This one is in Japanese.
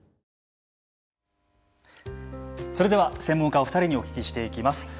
それでは専門家お二人にお聞きしていきます。